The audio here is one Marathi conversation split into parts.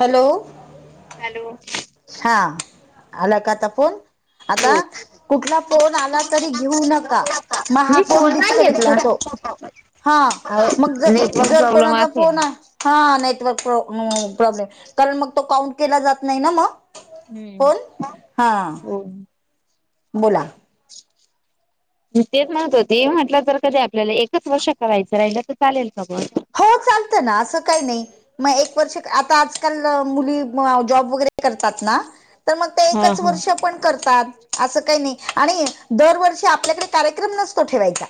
हॅलो हॅलो हा आला का आता फोन आता कुठला फोन आला तरी घेऊ नका मग हा मी फोन नाही डिस्कनेक्ट घेतला होतो. हा मग ज नेटवर्क जर प्रॉब्लेम कोणाचा असेल. फोन आ हा नेटवर्क प्र प्रॉब्लेम कारण मग तो काउंट केला जात नाही ना मग. हम्म फोन हम्म हा हो. बोला. [unintelligible] तेच म्हणत होती म्हटलं तर कधी आपल्याला एकच वर्ष करायचं राहिलं तर चालेल का पण, हो चालतं ना, असं काही नाही. मग एक वर्ष आता आजकाल मुली जॉब वगैरे करतात ना, तर मग ते हा एकच हा. वर्ष पण करतात. असं काही नाही आणि दरवर्षी आपल्याकडे कार्यक्रम नसतो ठेवायचा.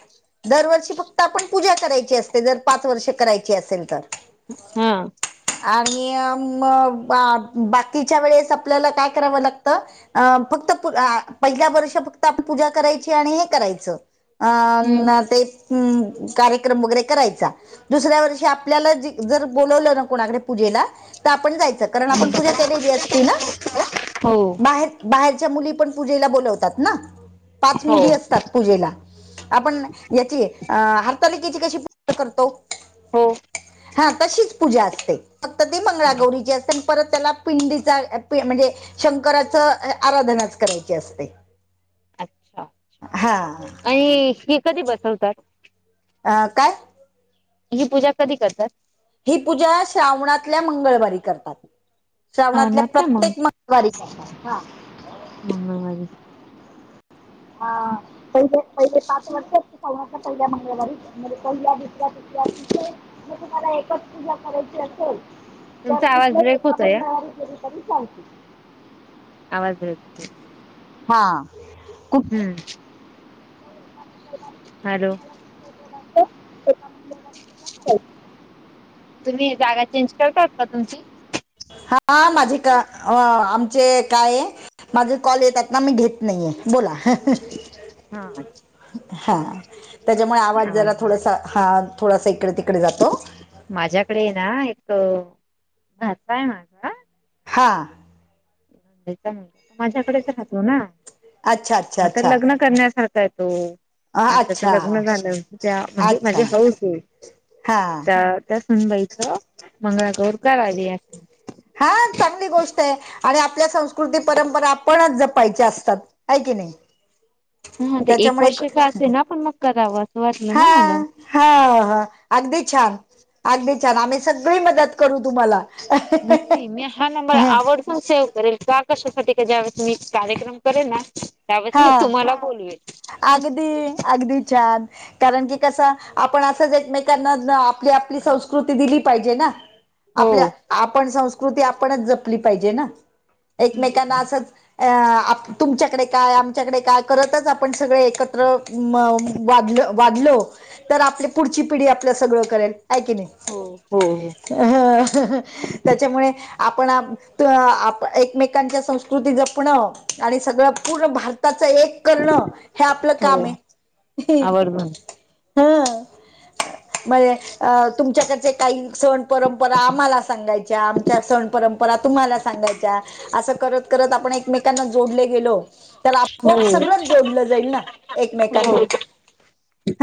दरवर्षी फक्त आपण पूजा करायची असते, जर पाच वर्षे करायची असेल तर. हा. आणि म बाकीच्या वेळेस आपल्याला काय करावं लागतं. अ फक्त पहिल्या वर्ष फक्त आपण पूजा करायची आणि हे करायचं, अन् ते कार्यक्रम वगैरे करायचा. दुसऱ्या वर्षी आपल्याला जर बोलवलं ना कोणाकडे पूजेला, तर आपण जायचं कारण आपण पूजा केलेली असती ना,.. हो बाहेर- बाहेरच्या मुली पण पूजेला बोलवतात ना, पाच हो मुली असतात. पूजेला, आपण याची हरतालिकेची कशी पूजा करतो.? हो हा तशीच पूजा असते, फक्त ते मंगळागौरीची असते. परत त्याला पिंडीचा म्हणजे शंकराचं आराधनाच करायची असते. अच्छा, हा आणि हे कधी बसवतात.? अ काय? ही पूजा कधी करतात? ही पूजा श्रावणातल्या मंगळवारी करतात श्रावणातल्या श्रावणात का मग प्रत्येक म गळवारी. हा.. मंगळवारी हा पैशैच पैशे. पाच वर्षे‌ श्रावणातल्या पहिल्या मंगळवारी म्हणजे पहिल्या, दुसऱ्या, तिसऱ्या जर तुम्हांला एकच पूजा करायची असेल तर तुमचा आवाज कुठल्याही ब्रेक एका होतोय हा. मंगळवारी केली तरी चालते. आवाज येतोय. हा कु... हूं... हॅलो. तुम्ही जागा चेंज करत आहात का तुमची? हा माझे का आमचे हे काय हे, माझे कॉल येतात ना, मी घेत नाहीेये बोला हं. हा अच्छा हं त्याच्यामुळे आवाज जरा थोडसा, हा थोडासा इकडं- तिकडे जातो. माझ्याकडे हेना एक भाचा आहे माझा. हां चा मु [unintelligible] त माझ्याकडेच राहतो ना, अच्छा अच्छा आता अच्छा लग्न करण्यासारखा आहे तो. अं, आणि त्याचं अच्छा लग्न झालं त्या म्हणजे माझी अच्छा हौस होईल हा त्या- त्या सुनबाई च मंगळागौर करायला या. हा चांगली गोष्ट आहे आणि आपल्या संस्कृती परंपरा आपणच जपायच्या असतात. हाय कि नाही. हूं... ते एक वर्षाचा का असेना पण मग करावं. वाटलं हा. ना मला हा हा. अगदी छान! अगदी छान! आम्ही सगळी मदत करू तुम्हाला. नक्की. मी हा नंबर आव- ह सेव करेल का काशासाठी का ज्या वेळेस मी कार्यक्रम करेल ना त्यावेळेस मी हा. तुम्हाला बोलवेल अगदी अगदी छान! कारण की कसं आपण असंच एकमेकांना आपली आपली संस्कृती दिली पाहिजे ना. हो आपल्या आपण संस्कृती आपणच जपली पाहिजे ना एकमेकांना हम्म. असंच अ आप तुमच्याकडे काय आमच्याकडे काय करतच आपण सगळे एकत्र वा वाढलो. तर आपली पुढची पिढी आपलं सगळं करेल, आहे की नाही. हो हो. त्याच्यामुळे आपण आ एकमेकांच्या संस्कृती जपणं आणि सगळं पूर्ण भारताचं एक करणं हे आपलं काम हो आहे. आवडून हा. मग अ तुमच्याकडचे काही सण परंपरा आम्हाला सांगायच्या. आमच्या सण परं परा तुम्हाला सांगायच्या. असं करत करत आपण एकमेकांना जोडले गेलो. तर आपोआप हो सगळं जोडलं जाईल ना एकमेकांना. हो.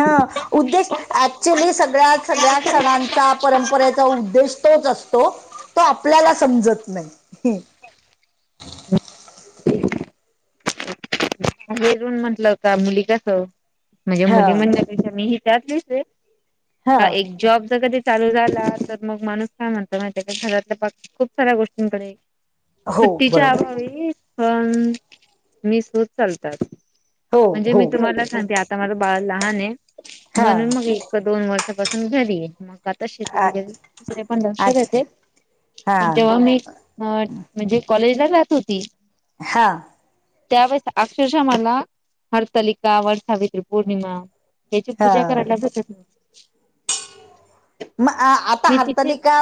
हा. उद्देश ऍक्च्युली सगळ्यात सगळ्या सणांचा परंपरेचा उद्देश तोच असतो. तो आपल्याला समजत नाही. म्हंटलं का मुली कस [unintelligible] हा हा चालू झाला तर माणूस काय म्हणतो माहित आहे का जगातल्या खूप सार्‍या गोष्टींकडे हो तिच्या बरोबर आहे आबावी पण मी सुज चालतात. हो म्हणजे हो मी तुम्हाला सांग आता माझं बाळ लहान आहे. हा म्हणून मग एक-दोन वर्षापासून घरी आहे. मग आ तसे अच्छा वगै दुसरे पण लक्ष अच्छा देते. पण हा जेव्हा मी अ म्हणजे कॉलेज ला जात होती. हा‌. त्यावेळी अक्षरशा मला हरतालिका वटसावित्री पौर्णिमा याची पूजा हा करायला भेटत नव्हती. मग आता मी तिथे हरतालिका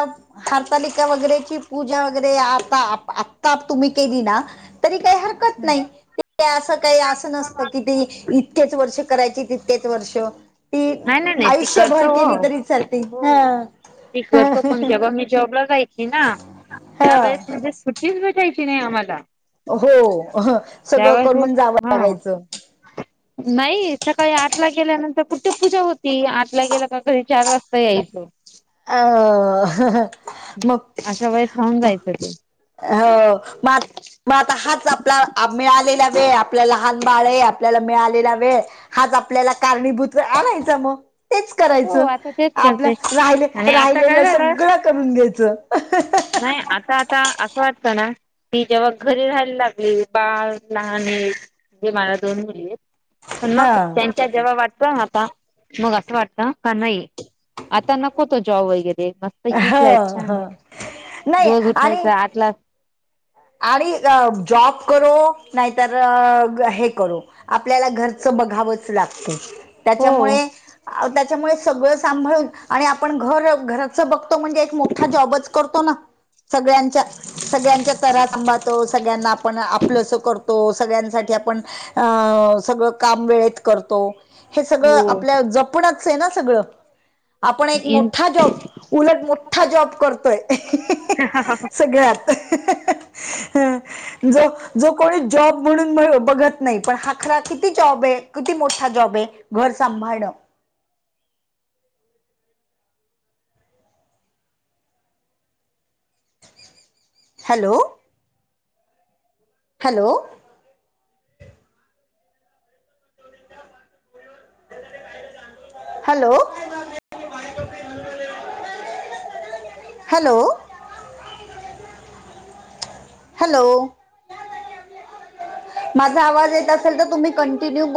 हरतालिका वगैरेची पूजा वगैरे आता आता तुम्ही केली ना तरी काही हरकत नाही ते असं काही असं नसतं की ते तितकेच वर्ष करायची तितकेच वर्ष ती नाही नाही ती आयुष्यभर करतो केली हो. तरी चालते. हा हो. हे व्रत पण केव्हा मी जॉब ला जायचे ना हा त्यावेळेस तीच भेटायची नाही आम्हाला. हो सगळं त्यावेळेस मग करून जावं हा लागायचं. नाही. सकाळी आठला गेल्यानंतर कुठे पूजा होती. आठला गेला का घरी चार वाजता यायची. अ अशा वेळेस राहून जायचं. हो. मा मग हाच आपला मिळालेला वेळ हे आपलं लहान बाळ आहे मिळालेला वेळ हाज आपल्याला कारणीभूत्र आणायचा. मग तेच हो करायचं. आता तेच आपल्या करते. राहि आणि आता काय राहिलेलं सगळं करून घ्यायचं. नाय आता आता असं वाटतं ना. ती जेव्हा घरी राहायला लागले बाळ लहान हाय मजे मला दोन मुली आहेत. पण हा मग त्यांच्या जेव्हा वाटतेना आता मग असं वाटत. का का नाही आता नको तो जॉब वगैरे मस्त. पैकी ह स्लाईट छान ह आहे नाही रोज उठायचं आणि आटला. आणि अ जॉब करू नाहीतर हे करू. आपल्याला घरचं बघावंच लागत. हो त्याच्यामुळे आ त्याच्यामुळे सगळं सांभाळून आणि आपण घर घरात. च बघतो म्हणजे एक मोठा जॉबच करतो ना सगळ्यांच्या सगळ्यांच्या. तरा सांभाळतो सगळ्यांना आपण आपलं आपलंसं करतो सगळ्यांसाठी आपण. ''अं''सगळं काम वेळेत करतो. हे सगळं हो आपलं जपूनच आहे ना सगळं. आपण एक मोठा जॉब उलट मोठा जॉब करतोय. सगळ्यात ह, जो जो कोणी जॉब म्हणून म्ह बघत नाही पण हा खरा किती जॉब आहे. किती मोठा जॉब आहे. घर सांभाळणं. Hello, hello, hello, hello, hello, माझा आवाज येत असेल तर तुम्ही कंटिन्यू बो ''--''